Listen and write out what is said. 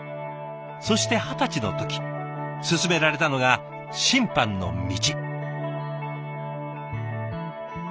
そして二十歳の時勧められたのが審判の道。